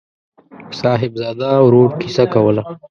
صاحبزاده ورور کیسه کوله.